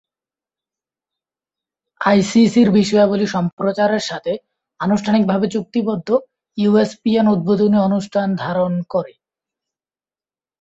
আইসিসির বিষয়াবলী সম্প্রচারের সাথে আনুষ্ঠানিকভাবে চুক্তিবদ্ধ ইএসপিএন উদ্বোধনী অনুষ্ঠান ধারণ করে।